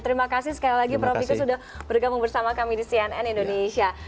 terima kasih sekali lagi prof ika sudah bergabung bersama kami di cnn indonesia